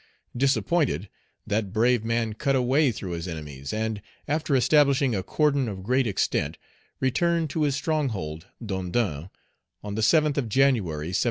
Disappointed, that brave man cut a way through his enemies, and, after establishing a cordon of great extent, returned to his stronghold, Dondon, on the 7th of January, 1795.